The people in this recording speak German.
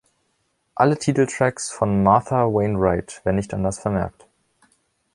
Alle Titeltracks von Martha Wainwright, wenn nicht anders vermerkt.